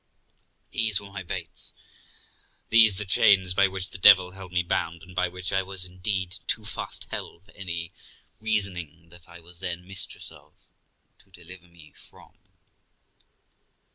These were my baits, these the chains by which the devil held me bound, and by which I was indeed too fast held for any reasoning that I was then mistress of to deliver me from.